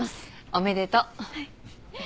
おめでとう。